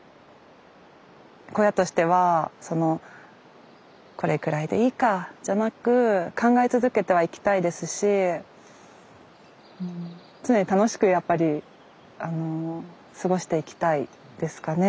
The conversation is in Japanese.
小屋としてはそのこれくらいでいいかじゃなく考え続けてはいきたいですし常に楽しくやっぱりあの過ごしていきたいですかね。